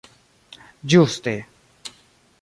Ĝuste.